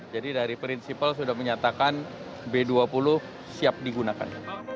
jadi dari prinsipal sudah menyatakan b dua puluh siap digunakan